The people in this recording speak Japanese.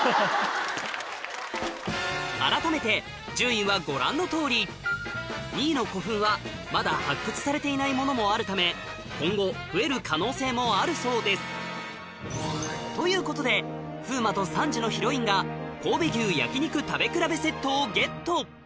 あらためて順位はご覧のとおり２位の古墳はまだ発掘されていないモノもあるため今後増える可能性もあるそうですということで風磨と３時のヒロインがをゲット！